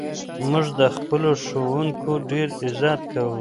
موږ د خپلو ښوونکو ډېر عزت کوو.